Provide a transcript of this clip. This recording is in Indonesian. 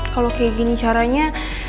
kalau kayak gini caranya